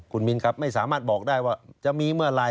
คุณมินครับไม่สามารถบอกได้ว่าจะมีเมื่อไหร่